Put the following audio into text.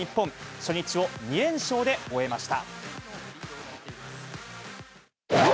初日を２連勝で終えました。